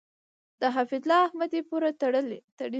د حفیظ الله احمدی پورې تړي .